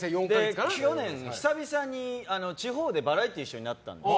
去年、久々に地方でバラエティー一緒になったんです。